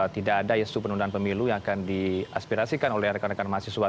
tidak ada isu penundaan pemilu yang akan diaspirasikan oleh rekan rekan mahasiswa